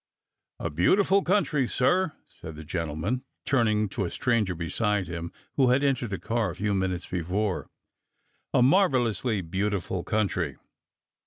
" A beautiful country, sir," said the gentleman, turn ing to a stranger beside him who had entered the car a few minutes before, — ''a marvelously beautiful country!